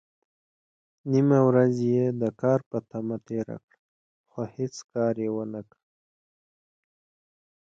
نيمه ورځ يې د کار په تمه تېره کړه، خو هيڅ کار يې ونکړ.